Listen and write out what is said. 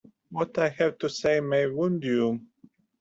What I have to say may wound you.